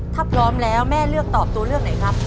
ถ้าพร้อมแล้วแม่เลือกตอบตัวเลือกไหนครับ